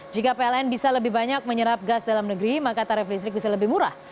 jika pln bisa lebih banyak menyerap gas dalam negeri maka tarif listrik bisa lebih murah